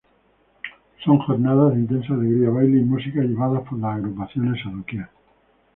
Son jornadas de intensa alegría, baile y música llevadas por las agrupaciones a doquier.